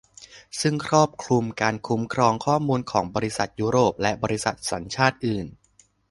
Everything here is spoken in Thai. ซึ่งครอบคลุมการคุ้มครองข้อมูลของบริษัทยุโรปและบริษัทสัญชาติอื่น